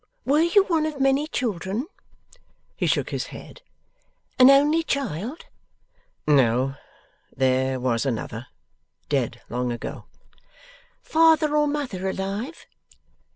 Were you one of many children?' He shook his head. 'An only child?' 'No there was another. Dead long ago.' 'Father or mother alive?